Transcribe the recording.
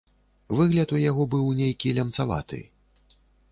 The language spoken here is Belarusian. Выгляд у яго быў нейкі лямцаваты.